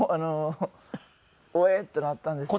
おえってなったんですけど。